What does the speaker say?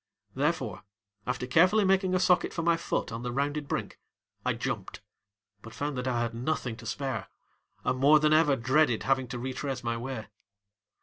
Therefore, after carefully making a socket for my foot on the rounded brink, I jumped, but found that I had nothing to spare and more than ever dreaded having to retrace my way.